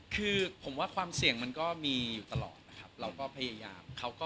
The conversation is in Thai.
คือผมว่าความเสี่ยงมันก็มีอยู่ตลอดนะครับเราก็พยายาม